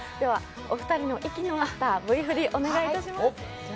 お二人の息の合ったＶ振りをお願いします。